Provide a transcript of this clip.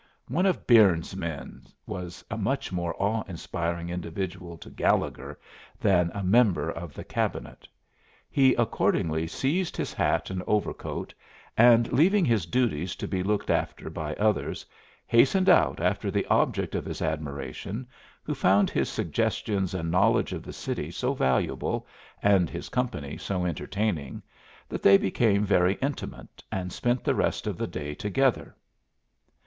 "One of Byrnes's men" was a much more awe inspiring individual to Gallegher than a member of the Cabinet. He accordingly seized his hat and overcoat, and leaving his duties to be looked after by others, hastened out after the object of his admiration, who found his suggestions and knowledge of the city so valuable, and his company so entertaining, that they became very intimate, and spent the rest of the day together.